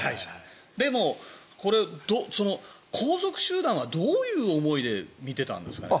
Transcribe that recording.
でもこれ、後続集団はどういう思いで見てたんですかね。